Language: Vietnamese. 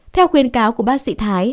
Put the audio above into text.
theo khuyên cáo của bác sĩ thái